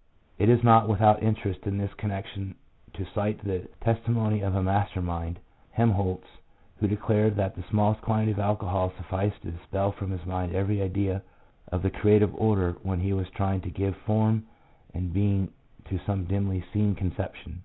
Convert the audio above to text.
" It is not without interest in this connection to cite the testimony of that master mind, Helmholtz, who declared that the smallest quantity of alcohol sufficed to dispel from his mind every idea of the creative order when he was trying to give form and being to some dimly seen conception."